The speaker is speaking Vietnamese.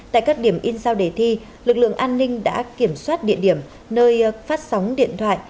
tại các điểm in giao đề thi lực lượng an ninh đã kiểm soát địa điểm nơi phát sóng điện thoại